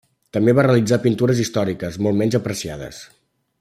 També va realitzar pintures històriques, molt menys apreciades.